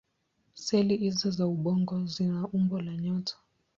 Seli hizO za ubongo zina umbo la nyota.